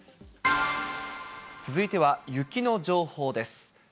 続いては雪の情報です。